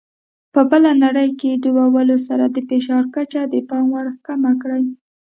په بله نړۍ کې ډوبولو سره د فشار کچه د پام وړ کمه کړي.